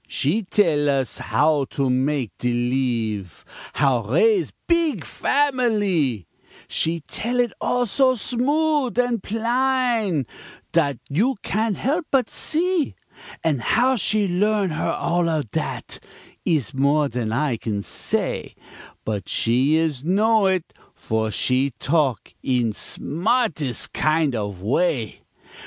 She tell us how to mak' de leeve, How raise beeg familee; She tell it all so smood an' plain Dat you can't help but see; An' how she learn her all of dat Ees more dan I can say, But she is know it, for she talk In smartes' kind of way.